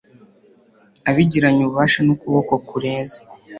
abigiranye ububasha n’ukuboko kureze